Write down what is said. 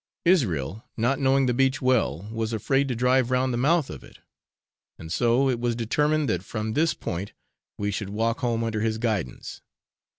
Israel, not knowing the beach well, was afraid to drive round the mouth of it; and so it was determined that from this point we should walk home under his guidance.